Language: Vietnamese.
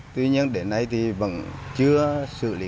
tuy nhiên đến nay thì vẫn chưa xử lý